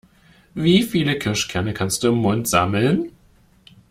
Wie viele Kirschkerne kannst du im Mund sammeln?